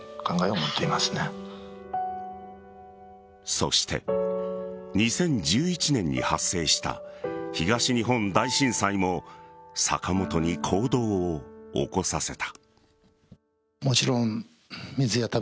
そして、２０１１年に発生した東日本大震災も坂本に行動を起こさせた。